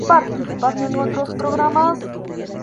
Participando en otros programas.